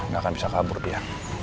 gak akan bisa kabur dia